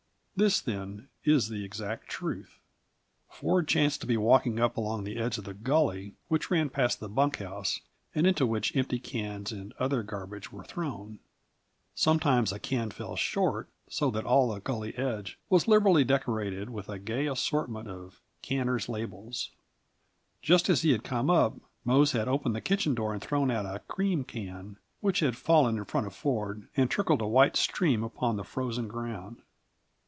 This, then, is the exact truth: Ford chanced to be walking up along the edge of the gully which ran past the bunk house, and into which empty cans and other garbage were thrown. Sometimes a can fell short, so that all the gully edge was liberally decorated with a gay assortment of canners' labels. Just as he had come up, Mose had opened the kitchen door and thrown out a cream can, which had fallen in front of Ford and trickled a white stream upon the frozen ground.